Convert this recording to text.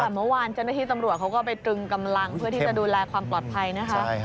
แต่เมื่อวานเจ้าหน้าที่ตำรวจเขาก็ไปตรึงกำลังเพื่อที่จะดูแลความปลอดภัยนะคะ